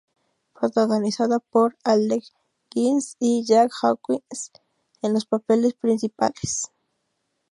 Protagonizada por Alec Guinness y Jack Hawkins en los papeles principales.